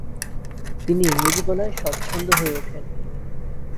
তিনি ইংরেজি বলায় স্বচ্ছন্দ হয়ে ওঠেন।